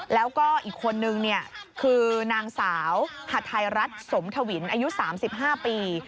แล้วก็อีกคนนึงคือนางสาวฮาไทยรัฐสมทวินอายุ๓๕ปี